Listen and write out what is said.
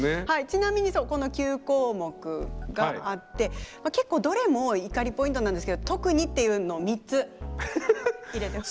ちなみにこの９項目があって結構どれも怒りポイントなんですけど特にっていうのを３つ入れて。